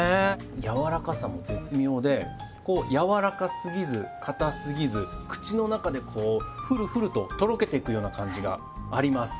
軟らかさも絶妙でこう軟らかすぎず硬すぎず口の中でこうふるふるととろけていくような感じがあります。